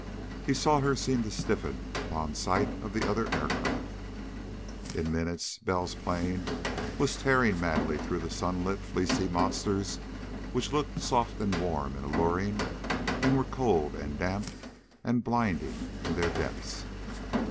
He saw her seem to stiffen upon sight of the other aircraft. In minutes Bell's plane was tearing madly through sunlit fleecy monsters which looked soft and warm and alluring, and were cold and damp and blinding in their depths.